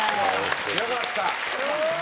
よかった。